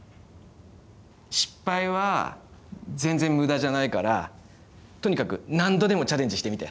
失敗は全然無駄じゃないからとにかく何度でもチャレンジしてみて。